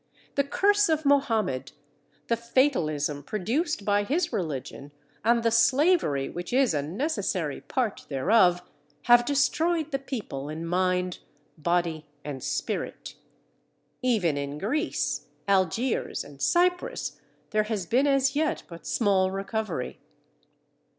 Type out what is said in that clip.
The curse of Mohammed, the fatalism produced by his religion, and the slavery which is a necessary part thereof, have destroyed the people in mind, body, and spirit. Even in Greece, Algiers, and Cyprus there has been as yet but small recovery.